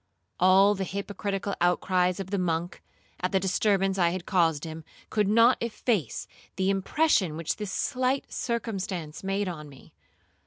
All the hypocritical outcries of the monk, at the disturbance I had again caused him, could not efface the impression which this slight circumstance made on me.